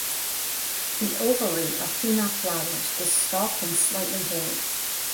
The ovary of female flowers is stalked and slightly hairy.